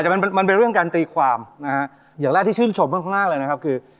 มันเป็นเรื่องการตีความนะฮะเดี๋ยวแรกที่ชื่นชมมากเลยนะครับคือ